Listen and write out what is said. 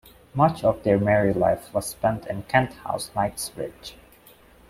Much of their married life was spent in Kent House, Knightsbridge.